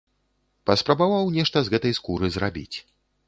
Паспрабаваў нешта з гэтай скуры зрабіць.